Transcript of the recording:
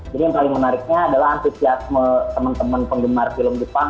jadi yang paling menariknya adalah antusiasme teman teman penggemar film jepang